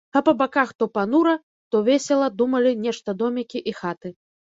А па баках то панура, то весела думалі нешта домікі і хаты.